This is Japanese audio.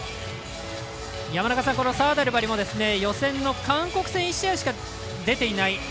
山中さん、サーダルバリも予選の韓国戦、１試合しか出ていない。